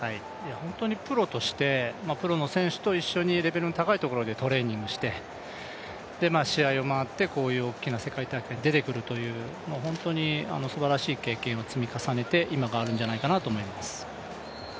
本当にプロとして、プロの選手と一緒にレベルの高いところでプレーをして試合を回って、こういう大きな世界大会に出てくるという本当にすばらしい経験を積み重ねて今があるんじゃないかなと思います。